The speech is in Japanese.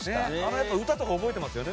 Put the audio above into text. やっぱり歌とか覚えてますよね。